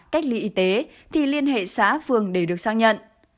cách ly y tế thì liên hệ xã phương để được xác nhận